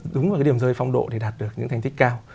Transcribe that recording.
chính là cái điểm rơi phong độ để đạt được những thành tích cao